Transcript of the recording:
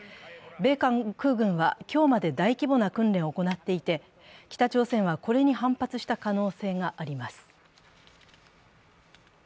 米韓空軍は今日まで大規模な訓練を行っていて北朝鮮はこれに反発した可能性があります。